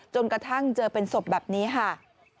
จนกระทั่งเจอเป็นศพแบบนี้ค่ะ